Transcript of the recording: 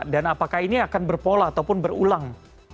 dan apakah ini akan berpola ataupun berulang